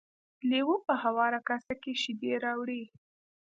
لیوه په هواره کاسه کې شیدې راوړې.